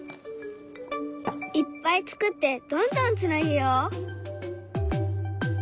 いっぱい作ってどんどんつなげよう。